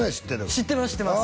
知ってます